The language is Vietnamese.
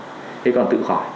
thế còn tự khỏi